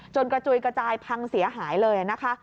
จนกระจุยกระจายพังเสียหายเลย